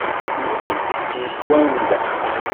Yuɣ-itt, mkwemmda.